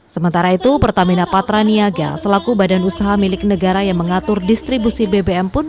sementara itu pertamina patraniaga selaku badan usaha milik negara yang mengatur distribusi bbm pun